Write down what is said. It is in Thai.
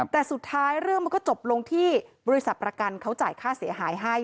แต่สุดท้ายเรื่องมันก็จบลงที่บริษัทประกันเขาจ่ายค่าเสียหายให้